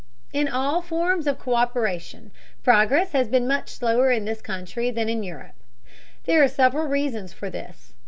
In all forms of co÷peration, progress has been much slower in this country than in Europe. There are several reasons for this.